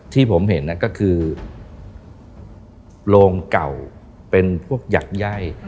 ที่ผมเห็นนั่นก็คือโลงเก่าเป็นพวกหยักไย้